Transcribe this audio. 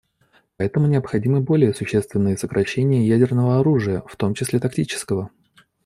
Поэтому необходимы более существенные сокращения ядерного оружия, в том числе тактического.